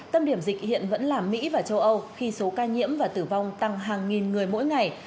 tâm điểm dịch hiện vẫn là mỹ và châu âu khi số ca nhiễm và tử vong tăng hàng nghìn người mỗi ngày